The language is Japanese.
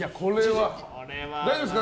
大丈夫ですか？